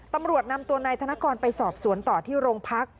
ตำรวจนำตัวนายธนกรไปสอบสวนต่อที่โรงพัก